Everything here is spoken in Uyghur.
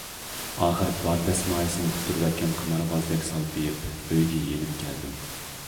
ئاخىر بار دەسمايىسىنى ئۇتتۇرۇۋەتكەن قىمارۋازدەك سالپىيىپ ئۆيگە يېنىپ كەلدىم.